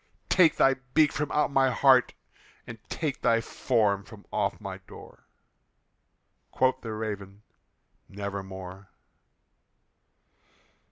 Take thy beak from out my heart, and take thy form from off my door!" Quoth the Raven, "Nevermore."